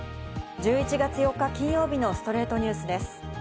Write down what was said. １１月４日、金曜日の『ストレイトニュース』です。